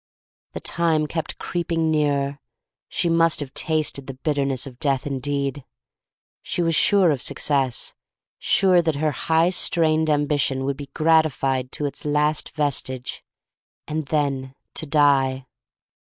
The time kept creeping nearer — she must have tasted the bit terness of death indeed. She was sure of success, sure that her high strained ambition would be gratified to its last vestige — and then, to die!